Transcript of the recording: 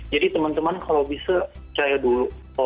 jadi teman teman kalau bisa percaya dulu